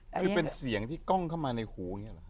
คือเป็นเสียงที่กล้องเข้ามาในหูอย่างนี้หรอ